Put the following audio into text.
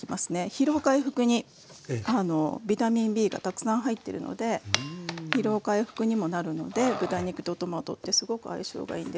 疲労回復にビタミンＢがたくさん入ってるので疲労回復にもなるので豚肉とトマトってすごく相性がいいんですよ。